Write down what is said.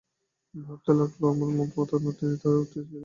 ভাবতে লাগল, এমন মন-মাতানো দিন তারও ছিল।